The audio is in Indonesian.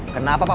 saya di sini